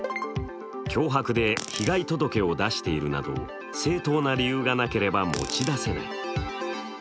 脅迫で被害届を出しているなど正当な理由がなければ持ち出せない。